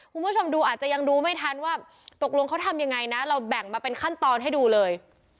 คุณผู้ชมดูอาจจะยังดูไม่ทันว่าตกลงเขาทำยังไงนะเราแบ่งมาเป็นขั้นตอนให้ดูเลย